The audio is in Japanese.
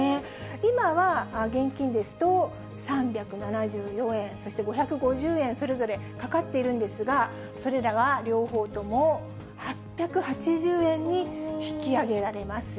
今は現金ですと３７４円、そして５５０円、それぞれかかっているんですが、それらが両方とも８８０円に引き上げられます。